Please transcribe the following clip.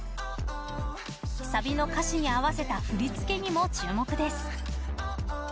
サビの歌詞に合わせた振り付けにも注目です。